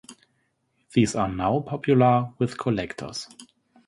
These are now popular with collectors.